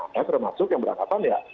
saya termasuk yang berangkatan ya